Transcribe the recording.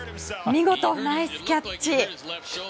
見事、ナイスキャッチ。